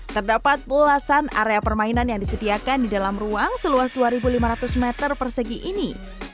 terdapat belasan area permainan yang disediakan di dalam ruang seluas dua lima ratus meter persegi ini